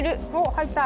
入った？